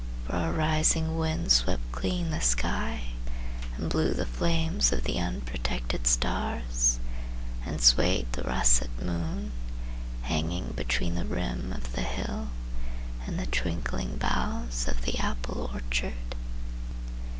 For a rising wind Swept clean the sky and blew the flames Of the unprotected stars; And swayed the russet moon, Hanging between the rim of the hill And the twinkling boughs of the apple orchard.